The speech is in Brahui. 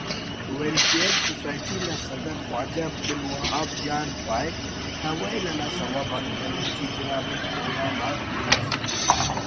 ویلفئر سوسائٹی نا صدرخواجہ عبدالوہاب جان پاہک”دا ویل انا سوب آن ”بلوچی“”براہوئی“پروگرام آک بے وسی